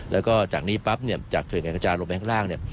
แล้วก็จากนี้ปั๊บจากเขื่อนแก่งกระจานลงไปข้างล่าง